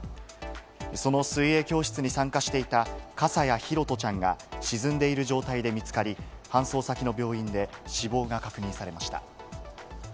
その水泳教室に参加していた、笠谷拓杜ちゃんが沈んでいる状態で見つかり、搬送先の病院で死亡が確認されました。